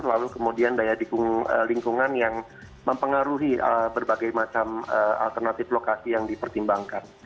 lalu kemudian daya lingkungan yang mempengaruhi berbagai macam alternatif lokasi yang dipertimbangkan